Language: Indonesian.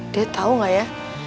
dad tau ga ya